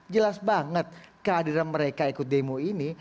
jelas banget kehadiran mereka ikut demo ini